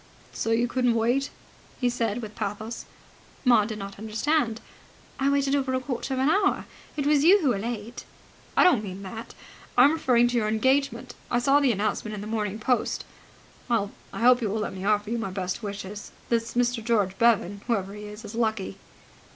"So you couldn't wait!" he said with pathos. Maud did not understand. "I waited over a quarter of an hour. It was you who were late." "I don't mean that. I am referring to your engagement. I saw the announcement in the Morning Post. Well, I hope you will let me offer you my best wishes. This Mr. George Bevan, whoever he is, is lucky."